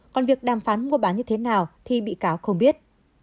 còn việc đàm phán mua bán như thế nào thì bị cáo không biết